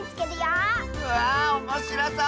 わあおもしろそう！